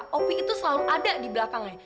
ingat ra opi itu selalu ada di belakangnya